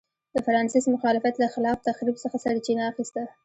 د فرانسیس مخالفت له خلاق تخریب څخه سرچینه اخیسته.